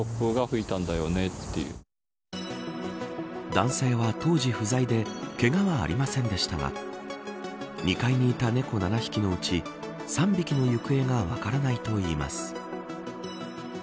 男性は当時不在でけがはありませんでしたが２階にいた猫７匹のうち３匹の行方が分からないといいます。